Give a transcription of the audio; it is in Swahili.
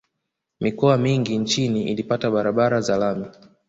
mikoa mingi nchini ilipata barabara za lami